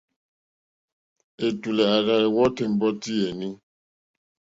Ɛ̀tùlɛ̀ à rzá wɔ́tì ɛ̀mbɔ́tí yèní.